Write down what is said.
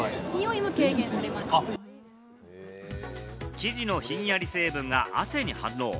生地のひんやり成分が汗に反応。